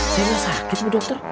saya nggak sakit bu dokter